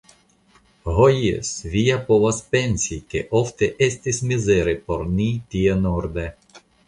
Ho jes, vi ja povas pensi, ke ofte estis mizere por ni tie norde.